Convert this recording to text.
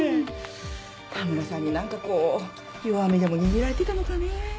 田村さんに何かこう弱みでも握られてたのかねぇ。